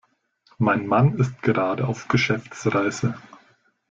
Mein Mann ist gerade auf Geschäftsreise.